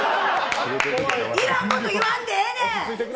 要らんこと言わんでええねん。